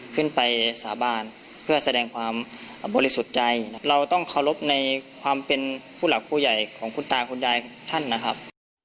ขึ้นไปสาบานเพื่อแสดงความบริสุทธิ์ใจนะครับเราต้องเคารพในความเป็นผู้หลักผู้ใหญ่ของคุณตาคุณยายท่านนะครับ